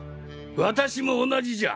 私も同じじゃ。